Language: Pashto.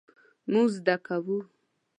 مونږ زده کوو